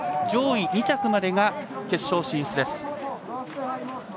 上位２着までが決勝進出です。